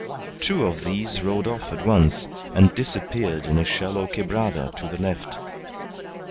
Two of these rode off at once and disappeared in a shallow quebrada to the left.